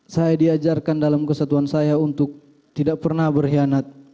saya diajarkan dalam kesatuan saya untuk tidak pernah berkhianat